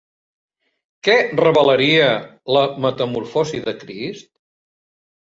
Què revelaria la metamorfosi de Crist?